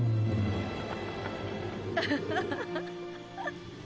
アハハハ。